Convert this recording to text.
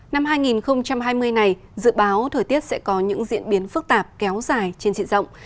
năm hai nghìn hai mươi này dự báo thời tiết sẽ có những diễn biến phức tạp kéo dài trên diện rộng